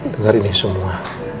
denger ini semua